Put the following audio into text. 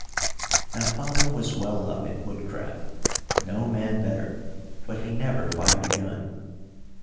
Now father was well up in woodcraft, no man better, but he never fired a gun.